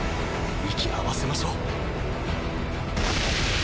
息あわせましょう。